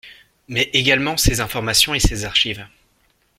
mais également ses informations et ses archives